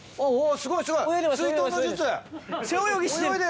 すごい！